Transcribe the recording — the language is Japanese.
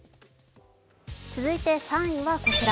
続いて３位はこちら。